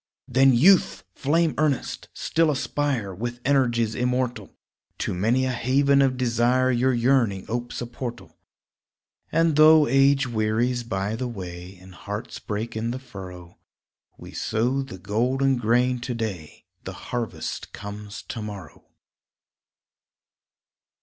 Then, Youth! flame earnest, still aspire; With energies immortal, To many a haven of desire Your yearning opes a portal. And though age wearies by the way, And hearts break in the furrow, We sow the golden grain to day The harvest comes to morrow.